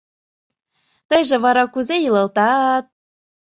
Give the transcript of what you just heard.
Тыйже вара кузе илылтат?